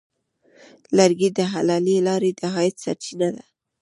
لرګی د حلالې لارې د عاید سرچینه ده.